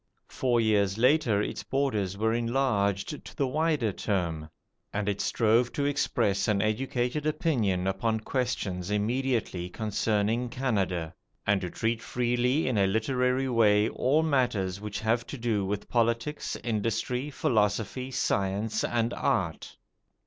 Four years later its borders were enlarged to the wider term, and it strove to express an educated opinion upon questions immediately concerning Canada, and to treat freely in a literary way all matters which have to do with politics, industry, philosophy, science, and art.